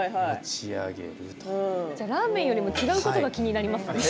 ラーメンよりも違うところが気になりますね。